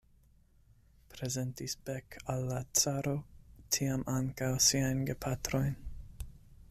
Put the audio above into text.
Prezentis Beck al la caro tiam ankaŭ siajn gepatrojn.